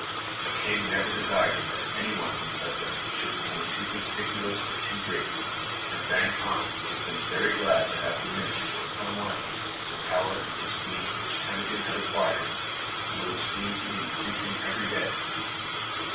A king never desires that any one of his subjects should become too conspicuous or too great, and Vang Khan would have been very glad to have diminished, in some way, the power and prestige which Temujin had acquired, and which seemed to be increasing every day.